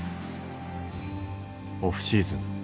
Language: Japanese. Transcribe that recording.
オフシーズン